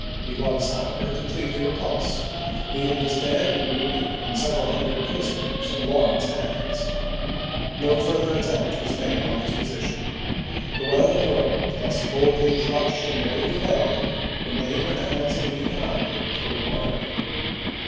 He was, however, completely repulsed, leaving his dead and wounded and several hundred prisoners in Warren's hands. No further attempt was made on his position. The Weldon road, thus boldly clutched and bravely held, remained in the hands of the Union army till the war ended.